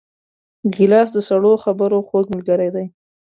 ګیلاس د سړو خبرو خوږ ملګری دی.